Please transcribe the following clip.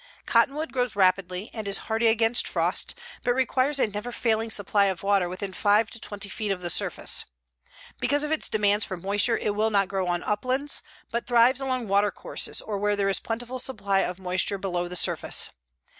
Cottonwood grows rapidly and is hardy against frost, but requires a never failing supply of water within five to twenty feet of the surface. Because of its demands for moisture it will not grow on uplands, but thrives along water courses or where there is plentiful supply of moisture below the surface.